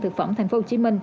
thực phẩm tp hcm